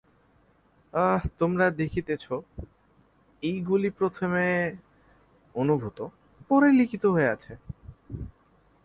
তোমরা দেখিতেছ, এইগুলি প্রথমে অনুভূত, পরে লিখিত হইয়াছে।